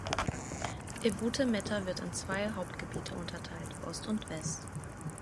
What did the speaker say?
Ebute Metta wird in zwei Hauptgebiete unterteilt: Ost und West.